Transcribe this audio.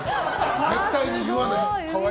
絶対に言わない！